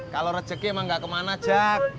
kalau rezeki emang gak kemana aja